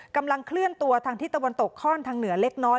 กำลังเคลื่อนตัวทางที่ตะวันตกคล่อนทางเหนือเล็กน้อย